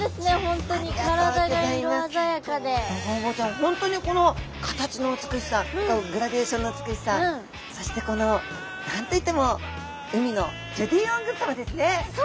本当にこの形の美しさグラデーションの美しさそしてこの何と言っても海のジュディ・オングさまですね。